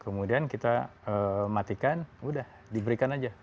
kemudian kita matikan udah diberikan aja